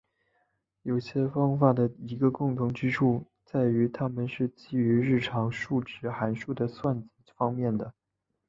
有些方法的一个共同之处在于它们是基于日常数值函数的算子方面的。